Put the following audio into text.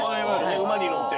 馬に乗って。